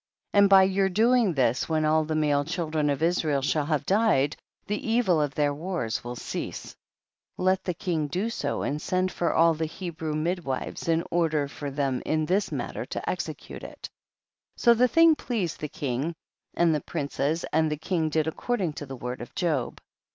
22. And by your doing this, when all the male children of Israel shall have died, the evil of their wars will cease ; let the king do so THE BOOK OF JASHER. 209 and send for all the Hebrew mid wives and order them in this matter to execute it ; so the thing pleased the king and the princes, and the king did according to the word of Job.